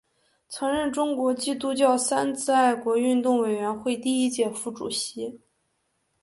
曾任中国基督教三自爱国运动委员会第一届副主席。